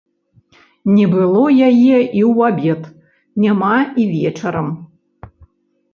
Не было яе і ў абед, няма і вечарам.